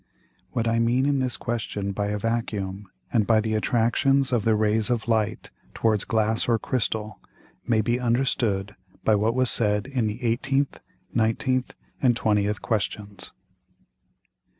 What I mean in this Question by a Vacuum, and by the Attractions of the Rays of Light towards Glass or Crystal, may be understood by what was said in the 18th, 19th, and 20th Questions. Quest. 30.